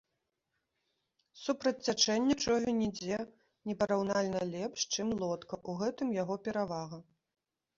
Супраць цячэння човен ідзе непараўнальна лепш, чым лодка, у гэтым яго перавага.